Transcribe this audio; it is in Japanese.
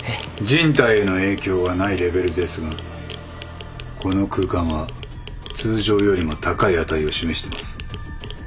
人体への影響はないレベルですがこの空間は通常よりも高い値を示してます。